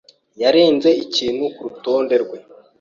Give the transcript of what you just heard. yarenze ikintu kurutonde rwe.